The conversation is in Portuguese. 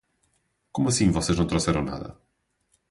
Como assim vocês não trouxeram nada?